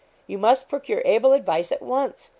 You must procure able advice at once.